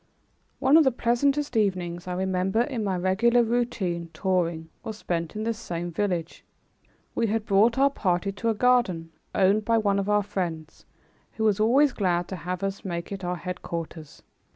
One of the pleasantest evenings I remember in my regular routine touring was spent in this same village. We had brought our party to a garden, owned by one of our friends who was always glad to have us make it our headquarters.